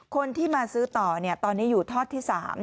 คนที่มาซื้อต่อตอนนี้อยู่ทอดที่๓